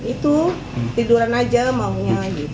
itu tiduran aja maunya